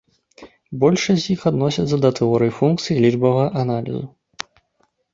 Большасць з іх адносіцца да тэорыі функцый і лічбавага аналізу.